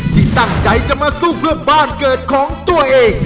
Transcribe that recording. ที่ตั้งใจจะมาสู้เพื่อบ้านเกิดของตัวเอง